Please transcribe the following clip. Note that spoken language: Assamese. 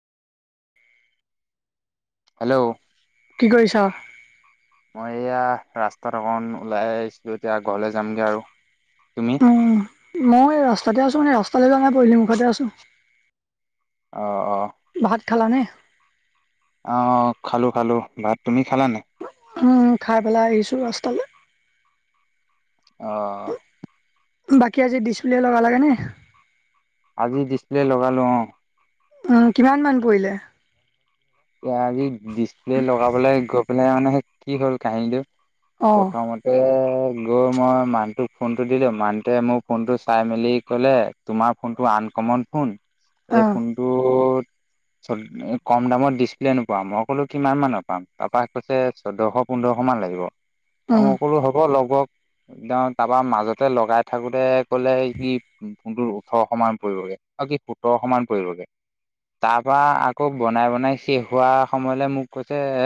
হেল্ল' কি কৰিছ মই এয়া ৰাস্তাত অকন ওলাই আহিছিলো এতিয়া ঘৰৰলৈৱ যামগৈ আৰু তুমি উম, মই এই ৰাস্তাতে আছো এ ৰাস্তালৈ যোৱা নাই পদূলি মুখতে আছো অ অ ভাত খালানে অ খালো খালো ভাত তুমি খালা নে উম খাই পেলাই আহিছো ৰাস্তালে অ বাকী আজি ডিছপ্লে লগা লাগেনে আজি ডিছপ্লে লগালো অ উম কিমান মান পৰিলে আজি ডিচপ্লে লগাবলৈ গৈ পেলাই মানে কি হল কাহিনীটো। অ', প্ৰথমতে। গৈ মই মানহটোক ফোনটো দিলোঁ মানুহটোৱে মোৰ ফোনটো চাই মেলি ক'লে তোমাৰ ফোনটো আন। কমন ফোন এই অ', ফোন টো কম দামত দিছে। নোপাম মই কলো কিমান মান নাপাম তাৰপৰা কৈছে চৈধ্শ পোন্ধৰশ মান লাগিব। আৰু উম। সকলো হব লগ একদম তাৰাপা মাজতে লগাই থাকোতে। কলে কি উ ফোনটোুৰ ওঠৰশান পৰিবগে আৰু কি সোতৰশান পৰিবগে। তাৰ পৰাা আকৌ বনাই বনাই শেষ হোৱা সময়লৈ মোক কৈছে এ।